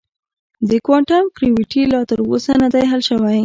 د کوانټم ګرویټي لا تر اوسه نه دی حل شوی.